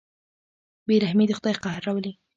بېرحمي د خدای قهر راولي.